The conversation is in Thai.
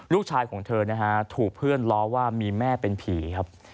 ลูกชายของเธอนะฮะถูกเพื่อนล้อว่ามีแม่เป็นผีครับ